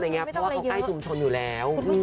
เพราะว่าเขาใกล้ชุมชนอยู่แล้ว